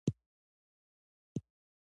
د اوبو موثر استعمال د کښت لپاره حیاتي دی.